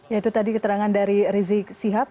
ya itu tadi keterangan dari rizik sihab